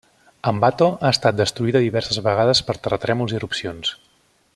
Ambato ha estat destruïda diverses vegades per terratrèmols i erupcions.